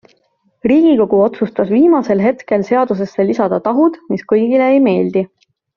Riigikogu otsustas viimasel hetkel seadusesse lisada tahud, mis kõigile ei meeldi.